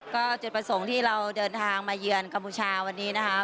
ก็จุดประสงค์ที่เราเดินทางมาเยือนกัมพูชาวันนี้นะคะ